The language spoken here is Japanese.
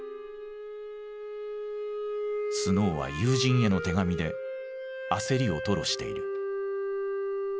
スノーは友人への手紙で焦りを吐露している。